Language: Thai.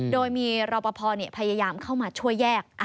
โดยมีรอปภพยายามเข้ามาช่วยแยก